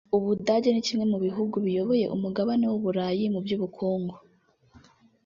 u Budage ni kimwe mu bihugu biyoboye umugabane w’u Burayi mu by’ubukungu